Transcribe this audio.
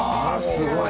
すごい。